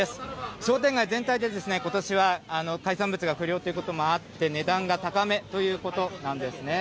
商店街全体でことしは海産物が不漁ということもあって、値段が高めということなんですね。